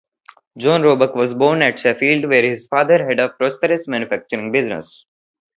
John Roebuck was born at Sheffield, where his father had a prosperous manufacturing business.